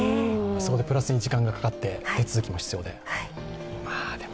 そこでプラスに時間もかかって手続きも必要で。